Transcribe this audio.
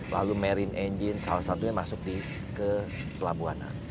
lalu marine engine salah satunya masuk ke pelabuhan